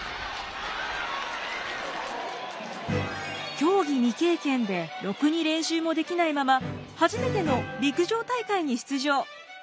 競技未経験でろくに練習もできないまま初めての陸上大会に出場。